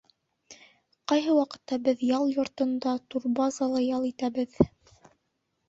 Ҡайһы ваҡытта беҙ ял йортонда, турбазала, ял итәбеҙ